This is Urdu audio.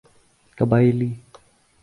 قبائلی